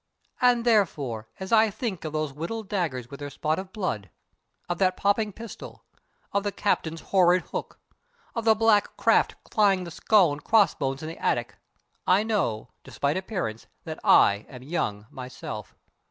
And therefore, as I think of those whittled daggers with their spot of blood, of that popping pistol, of the captain's horrid hook, of the black craft flying the skull and crossbones in the attic, I know, despite appearance, that I am young myself.